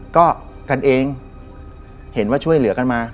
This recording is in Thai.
ก็กันเองเห็นว่าช่วยเหลือกันมา